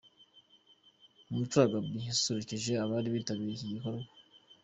Umutare Gabby yasusurukije abari bitabiriye iki gikorwa.